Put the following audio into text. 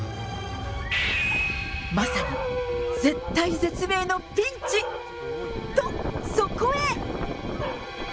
まさに絶体絶命のピンチ。と、そこへ。